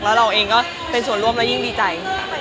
แล้วเราเองก็เป็นส่วนร่วมแล้วยิ่งดีใจ